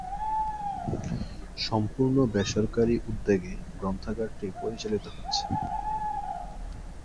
সম্পূর্ণ বেসরকারি উদ্যোগে গ্রন্থাগারটি পরিচালিত হচ্ছে।